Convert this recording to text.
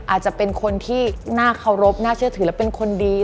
อาจจะเป็นคนที่น่าเคารพน่าเชื่อถือและเป็นคนดี